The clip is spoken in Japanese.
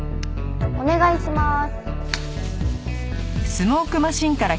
お願いします。